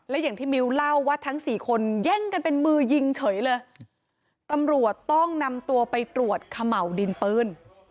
และอย่างที่มิ้วเล่าว่าทั้งสี่คนแย่งกันเป็นมือยิงเฉยเลยตำรวจต้องนำตัวไปตรวจเขม่าวดินปืน